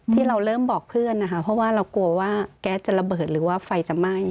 ที่เราเริ่มบอกเพื่อนนะคะเพราะว่าเรากลัวว่าแก๊สจะระเบิดหรือว่าไฟจะไหม้